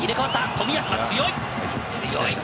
冨安は強い、強い。